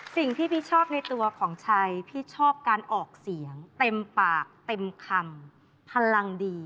สิ่งที่พี่ชอบในตัวของชัยพี่ชอบการออกเสียงเต็มปากเต็มคำพลังดี